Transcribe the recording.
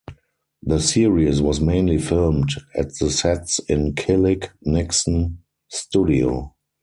The series was mainly filmed at the sets in Killick Nixon studio.